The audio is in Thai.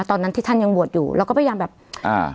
ตอนนั้นที่ท่านยังบวชอยู่เราก็พยายามแบบอ่า